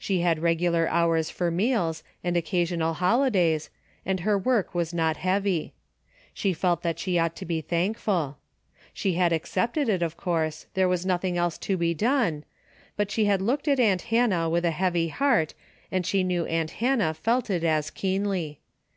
She had regular hours for meals and occasional holidays, and her work was not heavy. She felt that she ought to be thank ful. She had accepted it, of course, there was nothing else to be done, but she had looked at aunt Hannah with a heavy heart and she knew aunt Hannah felt it as keenly.